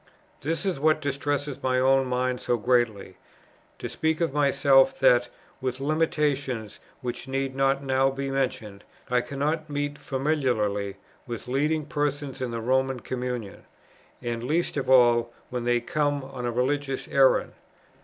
This is what distresses my own mind so greatly, to speak of myself, that, with limitations which need not now be mentioned, I cannot meet familiarly any leading persons of the Roman Communion, and least of all when they come on a religious errand.